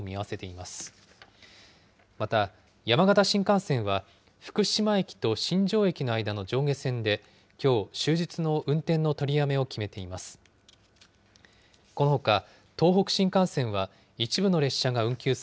また、山形新幹線は、福島駅と新庄駅の間の上下線できょう、終日の運転の取りやめを決めています。